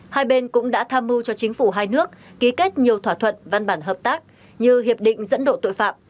hai bên cũng đã tham mưu cho chính phủ hai nước ký kết nhiều thỏa thuận văn bản hợp tác như hiệp định dẫn độ tội phạm